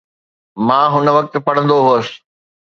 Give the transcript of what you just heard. مان هن وقت پڙهندو هوس.